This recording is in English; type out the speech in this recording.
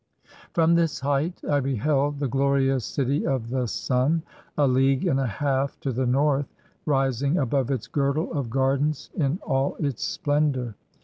From this height I beheld the glorious City of the Sun, a league and a half to the north, rising above its girdle of gardens in all its splendor.